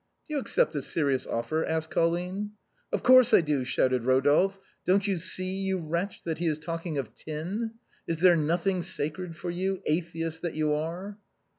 " Do you accept the specious offer ?" asked Colline. " Of course I do !" shouted Eodolphe, " don't you see, you wretch, that he is talking of * tin '? Is there nothing sacred for you, atheist that you are